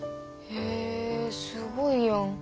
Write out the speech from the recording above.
へえすごいやん。